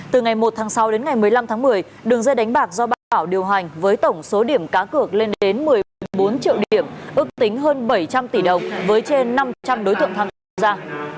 từ ngày một tháng sáu đến ngày một mươi năm tháng một mươi đường dây đánh bạc do ba bảo điều hành với tổng số điểm cá cược lên đến một mươi bốn triệu điểm ước tính hơn bảy trăm linh tỷ đồng với trên năm trăm linh đối tượng tham gia